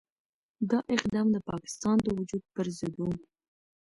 دا اقدام د پاکستان د وجود پرضد وو.